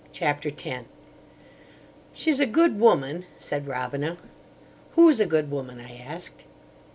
CHAPTER X "SHE'S a good woman," said Robina. "Who's a good woman?" I asked.